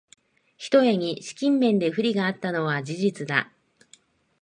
ひとえに資金面で不利があったのは事実だ